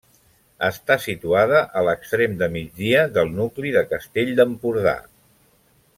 Està situada a l'extrem de migdia del nucli de Castell d'Empordà.